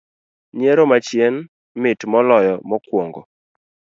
Nyiero ma chien mit moloyo mokuongo